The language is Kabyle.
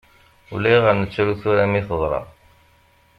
Ulayɣer nettru tura mi teḍra.